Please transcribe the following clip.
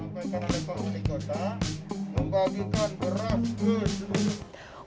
pembagian serupa akan terus dilakukan pemerintah kota bengkulu